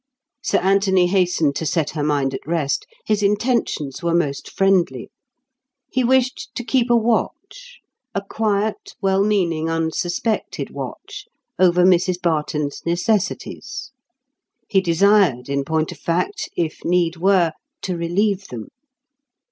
Sir Anthony hastened to set her mind at rest. His intentions were most friendly. He wished to keep a watch—a quiet, well meaning, unsuspected watch—over Mrs Barton's necessities. He desired, in point of fact, if need were, to relieve them.